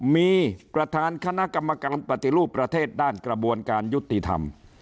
มีประธานคณะกรรมการปฏิรูปประเทศด้านกระบวนการยุติธรรม